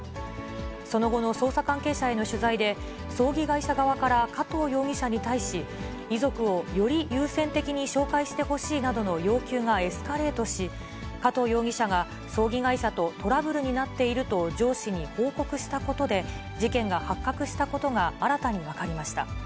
その後の捜査関係者への取材で、葬儀会社側から加藤容疑者に対し、遺族をより優先的に紹介してほしいなどの要求がエスカレートし、加藤容疑者が、葬儀会社とトラブルになっていると上司に報告したことで、事件が発覚したことが新たに分かりました。